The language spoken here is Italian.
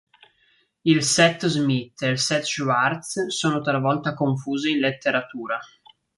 Il set Smith e il set Schwartz sono talvolta confusi in letteratura.